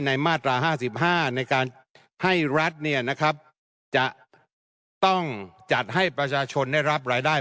มาตรา๕๕ในการให้รัฐจะต้องจัดให้ประชาชนได้รับรายได้